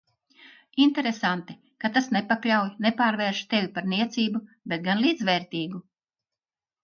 Interesanti, ka tas nepakļauj, nepārvērš tevi par niecību, bet gan līdzvērtīgu.